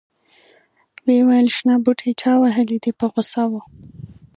ویې ویل شنه بوټي چا وهلي دي په غوسه و.